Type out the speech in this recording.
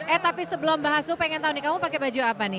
eh tapi sebelum mbak hasu pengen tau nih kamu pakai baju apa nih